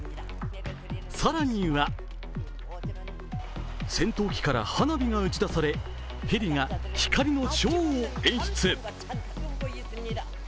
更には戦闘機から花火が打ち出されヘリが光のショーを演出。